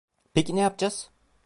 Peki ne yapacağız?